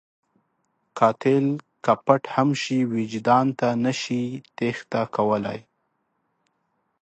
قاتل که پټ هم شي، وجدان ته نشي تېښته کولی